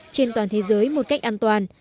trên toàn thế giới một cách an toàn